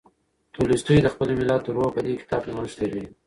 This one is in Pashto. تولستوی د خپل ملت روح په دې کتاب کې نغښتی دی.